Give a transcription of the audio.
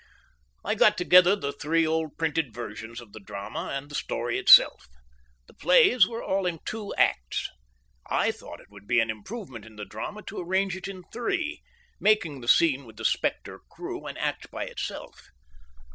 I got together the three old printed versions of the drama and the story itself. The plays were all in two acts. I thought it would be an improvement in the drama to arrange it in three, making the scene with the spectre crew an act by itself.